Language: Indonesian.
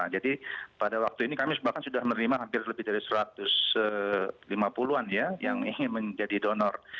jadi pada waktu ini kami bahkan sudah menerima hampir lebih dari satu ratus lima puluh an yang ingin menjadi donor